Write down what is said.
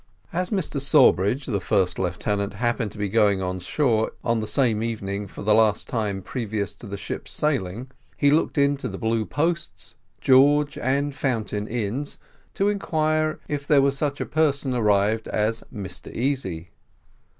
As Mr Sawbridge, the first lieutenant, happened to be going on shore on the same evening for the last time previous to the ship's sailing, he looked into the Blue Posts, George, and Fountain Inns, to inquire if there was such a person arrived as Mr Easy.